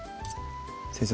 先生